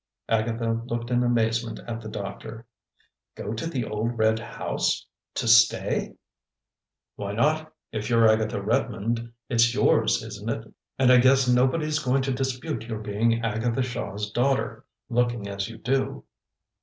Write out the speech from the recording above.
Agatha looked in amazement at the doctor. "Go to the old red house to stay?" "Why not? If you're Agatha Redmond, it's yours, isn't it? And I guess nobody's going to dispute your being Agatha Shaw's daughter, looking as you do.